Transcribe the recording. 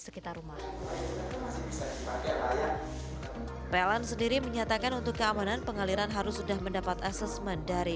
sekitar rumah pln sendiri menyatakan untuk keamanan pengaliran harus sudah mendapat asesmen dari